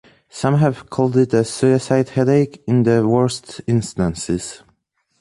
Some have called it a "suicide headache" in the worst instances.